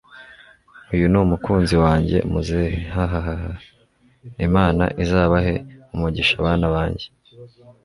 uyu ni umukunzi wanjye! muzehe hhhh! imana izabahe umugisha bana banjye